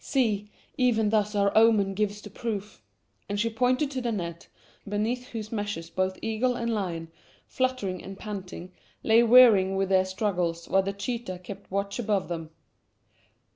"See, even thus our omen gives the proof," and she pointed to the net, beneath whose meshes both eagle and lion, fluttering and panting, lay wearied with their struggles, while the cheetah kept watch above them.